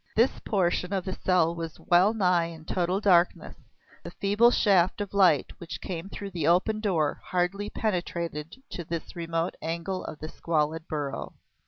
This portion of the cell was well nigh in total darkness; the feeble shaft of light which came through the open door hardly penetrated to this remote angle of the squalid burrow.